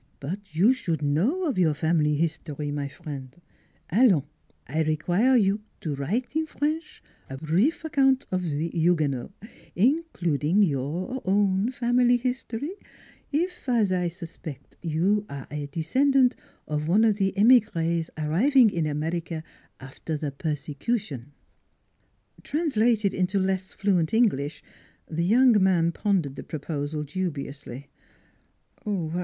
" But you should know of your family history, my friend. A lions! I require you to write in French a brief account of the Huguenots, including your own family history if, as I suspect, you are a descendant of one of the emigres arriving in America after the persecution." NEIGHBORS 193 Translated into less fluent English, the young man pondered the proposal dubiously.